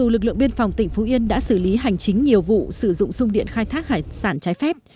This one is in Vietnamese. lực lượng biên phòng tỉnh phú yên đã xử lý hành chính nhiều vụ sử dụng sung điện khai thác hải sản trái phép